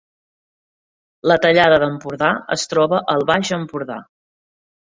La Tallada d’Empordà es troba al Baix Empordà